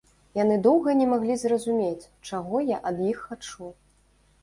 Яны доўга не маглі зразумець, чаго я ад іх хачу.